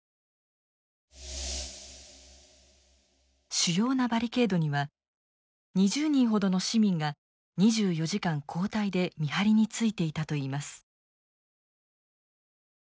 主要なバリケードには２０人ほどの市民が２４時間交代で見張りについていたといいます。